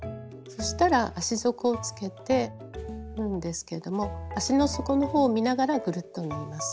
そしたら足底をつけて縫うんですけども足の底のほうを見ながらぐるっと縫います。